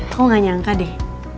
aku ga nyangka deh